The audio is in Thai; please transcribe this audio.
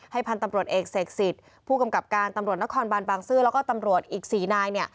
พันธุ์ตำรวจเอกเสกสิทธิ์ผู้กำกับการตำรวจนครบานบางซื่อแล้วก็ตำรวจอีก๔นาย